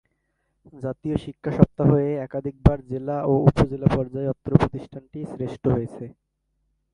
জাতীয় শিক্ষা সপ্তাহ-এ একাধিকবার জেলা ও উপজেলা পর্যায়ে অত্র প্রতিষ্ঠানটি শ্রেষ্ঠ হয়েছে।